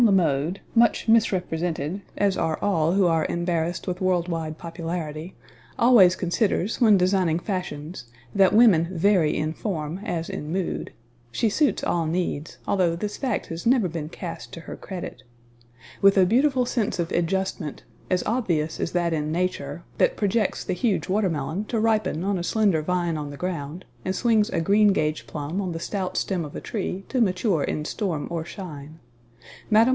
La Mode, much misrepresented as are all who are embarrassed with world wide popularity always considers when designing fashions that women vary in form, as in mood. She suits all needs, although this fact has never been cast to her credit. With a beautiful sense of adjustment as obvious as that in Nature, that projects the huge watermelon to ripen on a slender vine on the ground and swings a greengage plum on the stout stem of a tree to mature in storm or shine Mme.